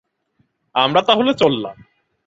আমরা তাহলে চললাম।